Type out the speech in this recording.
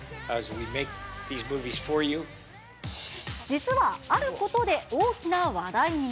実はあることで大きな話題に。